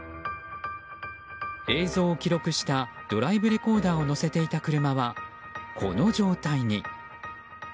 映像を記録したドライブレコーダーを載せていた車はこの状態に。